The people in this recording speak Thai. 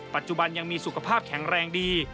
ปัจจุบันยังมีสุขภาพแข็งแรงดี